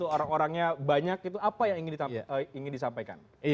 orang orangnya banyak itu apa yang ingin disampaikan